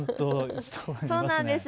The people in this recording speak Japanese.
そうなんです。